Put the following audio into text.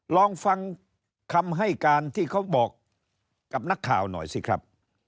ลองฟังคำให้การที่เขาบอกกับนักข่าวหน่อยสิครับ